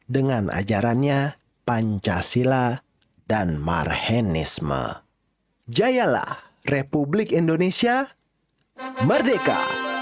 dengan ajarannya pancasila dan marhenisme jayalah republik indonesia merdeka